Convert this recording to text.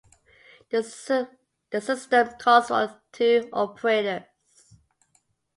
The system calls for two operators.